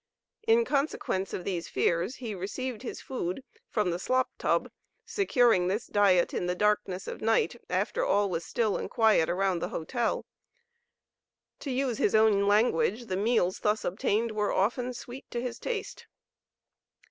In consequence of these fears he received his food from the "slop tub," securing this diet in the darkness of night after all was still and quiet around the hotel. To use his own language, the meals thus obtained were often "sweet" to his taste.